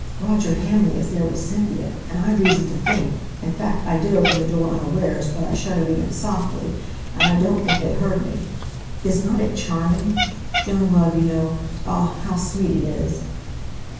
Roger Hamley is there with Cynthia; and I've reason to think in fact I did open the door unawares, but I shut it again softly, and I don't think they heard me. Isn't it charming? Young love, you know, ah, how sweet it is!"